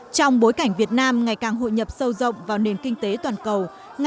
trong bối cảnh việt nam ngày càng hội nhập sâu rộng vào nền kinh tế toàn cầu